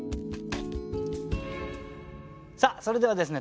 それではですね